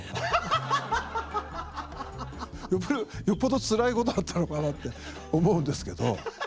よっぽどつらいことあったのかなって思うんですけど。